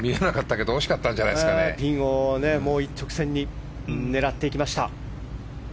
ピンを一直線に狙っていきました。